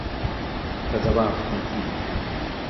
که ځواب منفي وي